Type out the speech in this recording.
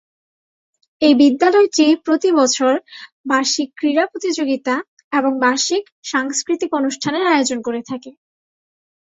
এই বিদ্যালয়টি প্রতিবছর "বার্ষিক ক্রীড়া প্রতিযোগিতা" এবং "বার্ষিক সাংস্কৃতিক অনুষ্ঠান" এর আয়োজন করে থাকে।